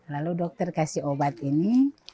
lalu dokter kasih obat ini